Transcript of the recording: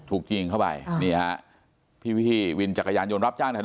ถูกยิงเข้าไปเพียงวิทีวิทีย์จักรยานโยนรับจ้างถนนั้น